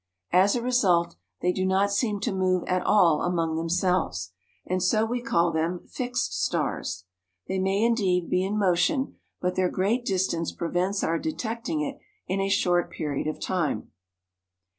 As a result, they do not seem to move at all among themselves, and so we call them fixed stars: they may, indeed, be in motion, but their great distance prevents our detecting it in a short period of time.